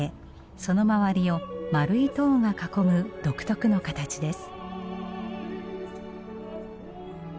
その周りを丸い塔が囲む独特の形です。